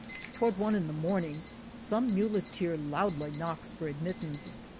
Toward one in the morning some muleteer loudly knocks for admittance.